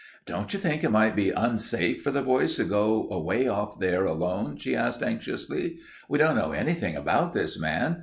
"Don't you think it might be unsafe for the boys to go away off there alone?" she asked anxiously. "We don't know anything about this man.